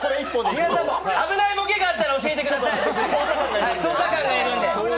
皆さんも危ないボケがあったら教えてください、捜査官がいるので。